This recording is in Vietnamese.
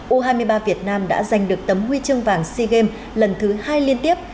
u hai mươi ba việt nam đã giành được tấm huy chương vàng sigem lần thứ hai liên tiếp